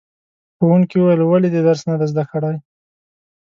ښوونکي وویل ولې دې درس نه دی زده کړی؟